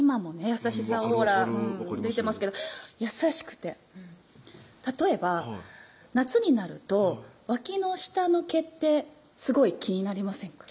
優しさオーラ出てますけど優しくて例えば夏になるとワキの下の毛ってすごい気になりませんか？